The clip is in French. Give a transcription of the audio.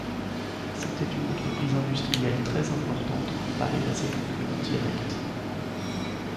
C'était une entreprise industrielle très importante comparée à ses concurrents directs.